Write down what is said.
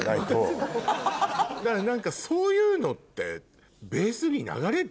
だから何かそういうのって。